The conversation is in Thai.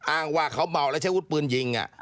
อ้างว่าเขาเมาแล้วใช้วุฒิปืนยิง